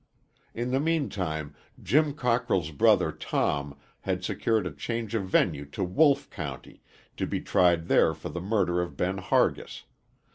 In the meantime, Jim Cockrell's brother Tom had secured a change of venue to Wolfe County, to be tried there for the murder of Ben Hargis.